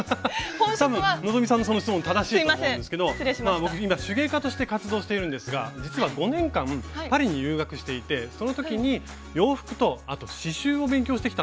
多分希さんのその質問正しいと思うんですけど僕今手芸家として活動しているんですが実は５年間パリに留学していてその時に洋服とあと刺しゅうを勉強してきたんですね。